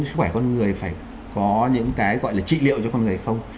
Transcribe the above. sức khỏe con người phải có những cái gọi là trị liệu cho con người không